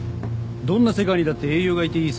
どんな世界にだって英雄がいていいさ。